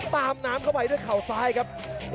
ตามน้ำเข้าไปด้วยเข่าซ้ายครับ